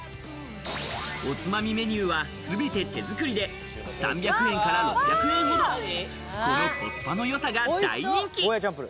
おつまみメニューはすべて手づくりで、３００円から６００円ほど。このコスパのよさが大人気。